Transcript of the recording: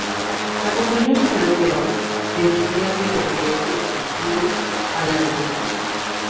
Acompañó al general Perón en su viaje de regreso definitivo a la Argentina.